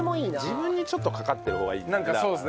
自分にちょっとかかってる方がいいねなんか。